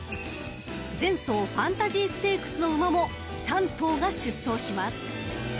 ［前走ファンタジーステークスの馬も３頭が出走します］